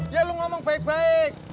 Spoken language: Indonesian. ya lo ngomong baik baik